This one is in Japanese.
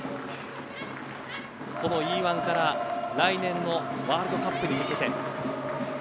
このＥ‐１から来年のワールドカップに向けて。